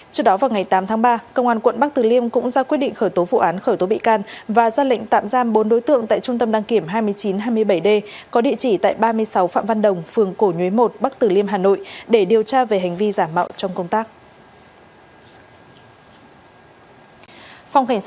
trước đó vào ngày tám tháng ba công an quận bắc từ liêm cũng ra quyết định khởi tố vụ án khởi tố bị can và ra lệnh tạm giam bốn đối tượng tại trung tâm đăng kiểm hai nghìn chín trăm hai mươi bảy d có địa chỉ tại ba mươi sáu phạm văn đồng phường cổ nhuế một bắc tử liêm hà nội để điều tra về hành vi giả mạo trong công tác